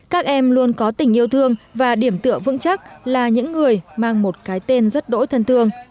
các em luôn có tình yêu thương và điểm tựa vững chắc là những người mang một cái tên rất đỗi thân thương